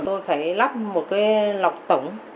tôi phải lắp một cái lọc tổng